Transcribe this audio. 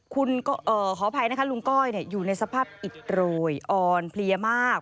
ขออภัยนะคะลุงก้อยอยู่ในสภาพอิดโรยอ่อนเพลียมาก